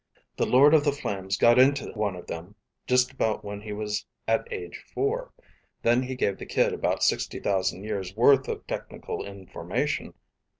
The Lord of the Flames got into one of them just about when he was at age four. Then he gave the kid about sixty thousand years worth of technical information.